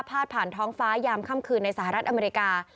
ผ่านท้องฟ้ายามค่ำคืนในสหรัฐอเมริกา